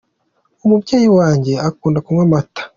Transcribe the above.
Umubyeyi wanjye akunda kunywa amata.